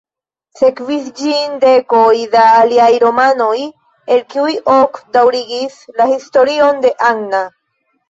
Sekvis ĝin dekoj da aliaj romanoj, el kiuj ok daŭrigis la historion de Anne.